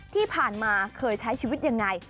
ที่ผ่านมาเคยใช้ชีวิตยังไง